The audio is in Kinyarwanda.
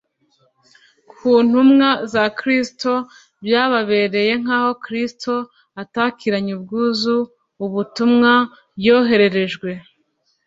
Ku ntumwa za Kristo, byababereye nk'aho Kristo atakiranye ubwuzu ubutumwa yohererejwe.